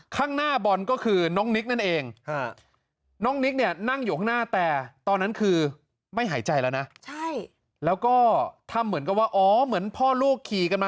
ข้างหน้าบอลก็คือน้องนิ๊กนั่นเอง